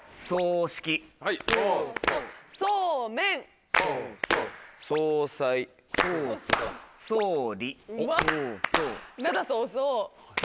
そうそう。